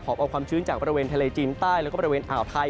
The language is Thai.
เอาความชื้นจากบริเวณทะเลจีนใต้แล้วก็บริเวณอ่าวไทย